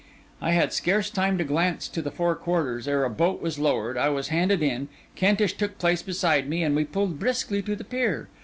I had scarce time to glance to the four quarters, ere a boat was lowered. I was handed in, Kentish took place beside me, and we pulled briskly to the pier.